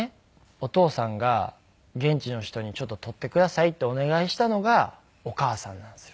お父さんが現地の人に「ちょっと撮ってください」ってお願いしたのがお母さんなんですよ。